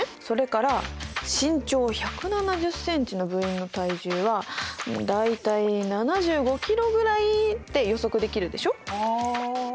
それから身長１７０ｃｍの部員の体重は大体７５ｋｇぐらいって予測できるでしょ。